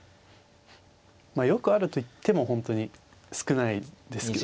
まあよくあるといっても本当に少ないですけど。